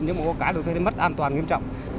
nhưng mà có cái được thấy mất an toàn nghiêm trọng